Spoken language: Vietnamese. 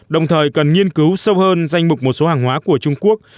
đồng thời cần nghiên cứu sâu hơn danh mục một số hàng hóa của trung quốc